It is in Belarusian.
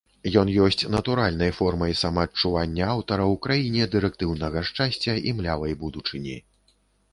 Ён ёсць натуральнай формай самаадчування аўтара ў краіне дырэктыўнага шчасця і млявай будучыні.